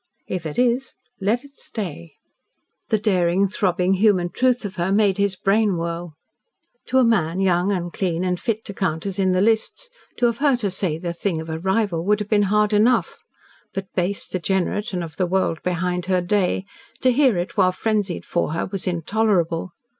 If it is let it stay." The daring, throbbing, human truth of her made his brain whirl. To a man young and clean and fit to count as in the lists, to have heard her say the thing of a rival would have been hard enough, but base, degenerate, and of the world behind her day, to hear it while frenzied for her, was intolerable.